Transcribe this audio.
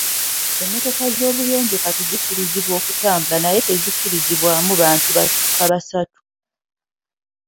Emmotoka ez'obuyonjo kati zikkirizibwa okutambula naye nga tezikkirizibwamu bantu basukka basatu.